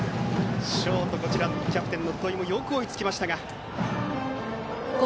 ショート、キャプテン戸井がよく追いつきましたが。